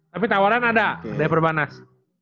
tapi tawaran ada dari perbanas